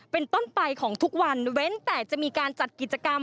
เป็นต้นไปของทุกวันเว้นแต่จะมีการจัดกิจกรรม